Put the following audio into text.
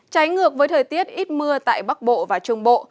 trái ngược với thời tiết ít mưa tại bắc bộ và trung bộ